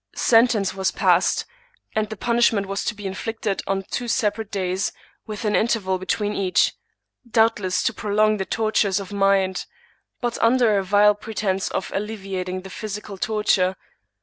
Sentence was passed, and the punishment was to be inflicted on two separate days, with an interval between •each — doubtless to prolong the tortures of mind, but under a vile pretense of alleviating the physical torture.